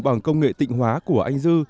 bằng công nghệ tịnh hóa của anh dư